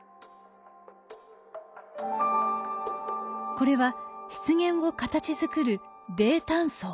これは湿原を形づくる泥炭層。